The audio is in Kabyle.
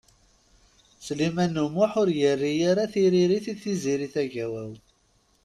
Sliman U Muḥ ur yerri ara tiririt i Tiziri Tagawawt.